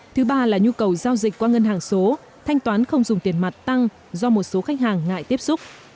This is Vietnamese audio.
thứ ba là nhu cầu giao dịch qua ngân hàng số thanh toán không dùng tiền mặt tăng do một số khách hàng ngại tiếp xúc